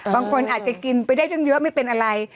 บางคนอาจจะกินไปได้ตั้งเยอะไม่เป็นอะไร